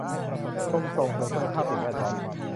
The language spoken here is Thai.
กรมส่งเสริมคุณภาพสิ่งแวดล้อม